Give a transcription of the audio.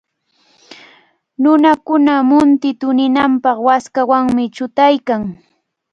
Nunakuna munti tuninanpaq waskawanmi chutaykan.